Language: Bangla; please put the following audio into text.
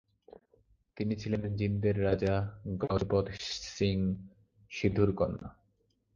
তিনি ছিলেন জিন্দের রাজা গজপত সিং সিধুর কন্যা।